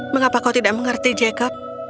mengapa kau tidak mengerti jacob